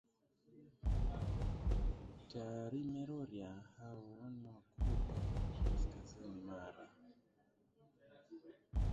Tarime Rorya hao ni Wakurya wa kaskazini Mara